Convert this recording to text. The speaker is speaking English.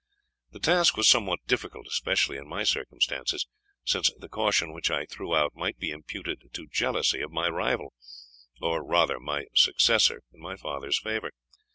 The task was somewhat difficult, especially in my circumstances, since the caution which I threw out might be imputed to jealousy of my rival, or rather my successor, in my father's favour.